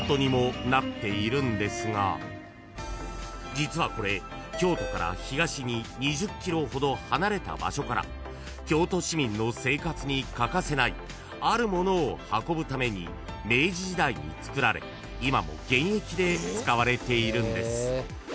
［実はこれ京都から東に２０ｋｍほど離れた場所から京都市民の生活に欠かせないあるものを運ぶために明治時代に造られ今も現役で使われているんです］